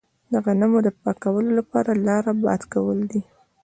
د غنمو د پاکولو لاره باد کول دي.